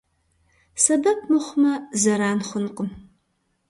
Сэбэп мыхъумэ, зэран хъункъым.